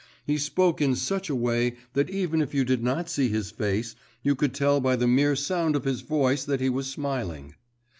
He spoke in such a way that even if you did not see his face, you could tell by the mere sound of his voice that he was smiling!